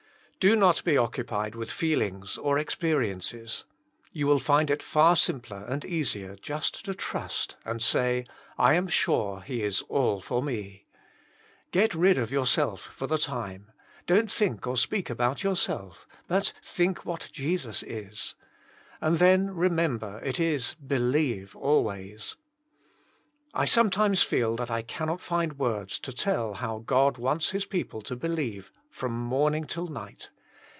Do not be occupied with feelings or experiences. You will find it far simpler and easier just to trust and say, I am sure He is all for me. " Get rid of yourself for the time ; do n't think or speak about yourself; but XTbfnft wbat 5e0U6 is* And then remember it is believe always. I sometimes feel that I cannot find words to tell how Grod wants His people to believe from morning till night.